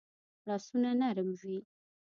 لاسونه نرم وي